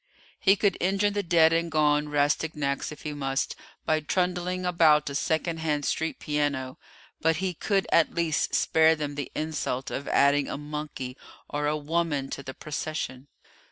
He could injure the dead and gone Rastignacs, if he must, by trundling about a second hand street piano, but he could at least spare them the insult of adding a monkey or a woman to the procession.